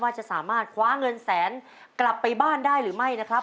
จะสามารถคว้าเงินแสนกลับไปบ้านได้หรือไม่นะครับ